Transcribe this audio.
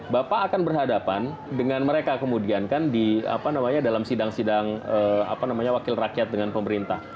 bapak akan berhadapan dengan mereka kemudian kan di apa namanya dalam sidang sidang wakil rakyat dengan pemerintah